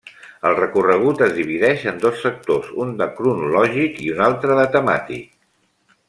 El recorregut es divideix en dos sectors, un de cronològic i un altre de temàtic.